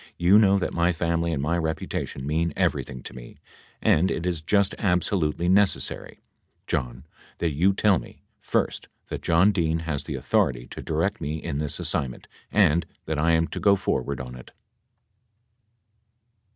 You know that my family and my reputation mean everything to me and it is just absolutely necessary, John, that you tell me, first that John Dean has the authority to direct me in this assignment, and that I am to go forward on it."